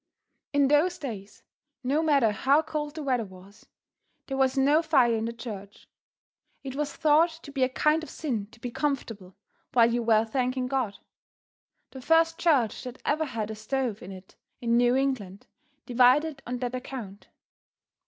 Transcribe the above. In those days, no matter how cold the weather was, there was no fire in the church. It was thought to be a kind of sin to be comfortable while you were thanking God. The first church that ever had a stove in it in New England, divided on that account.